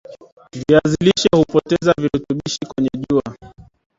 viazi lishe hupoteza virutubishi kwenye jua